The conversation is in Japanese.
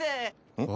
うん？